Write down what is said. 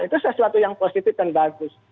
itu sesuatu yang positif dan bagus